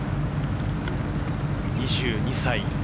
２２歳。